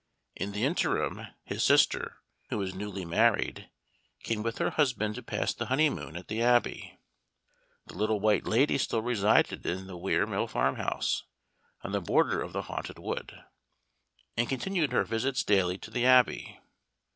In the interim, his sister, who was newly married, came with her husband to pass the honeymoon at the Abbey. The Little White Lady still resided in the Weir Mill farmhouse, on the border of the haunted wood, and continued her visits daily to the Abbey.